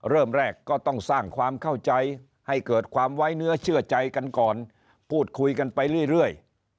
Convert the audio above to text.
เริ่มแรกก็ต้องสร้างความเข้าใจให้เกิดความไว้เนื้อเชื่อใจกันก่อนพูดคุยกันไปเรื่อย